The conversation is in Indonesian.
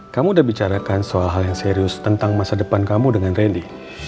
kamu udah bicarakan soal hal yang serius tentang masa depan kamu dengan randy